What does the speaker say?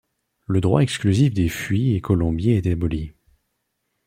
Le droit exclusif des fuies et colombiers est aboli.